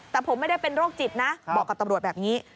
แต่ผมไม่ได้เป็นโรคจิตนะบอกกับตำรวจแบบนี้